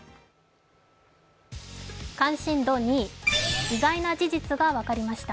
関心度２位、意外な事実が分かりました。